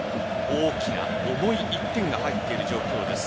大きな重い１点が入っている状況です。